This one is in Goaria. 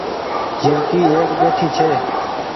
جهرڪي ايڪ ٻهٺي ڇي